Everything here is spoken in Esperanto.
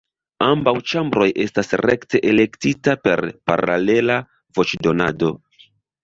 Ambaŭ ĉambroj estas rekte elektita per paralela voĉdonado.